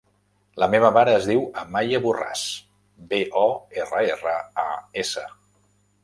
La meva mare es diu Amaia Borras: be, o, erra, erra, a, essa.